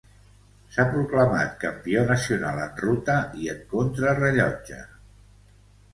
S'ha proclamat campió nacional en ruta i en contrarellotge.